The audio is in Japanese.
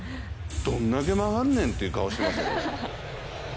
どんだけ曲がんねんって顔してますよ。